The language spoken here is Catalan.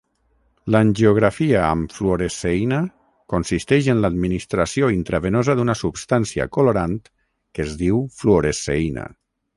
L'angiografia amb fluoresceïna consisteix en l'administració intravenosa d'una substància colorant que es diu fluoresceïna.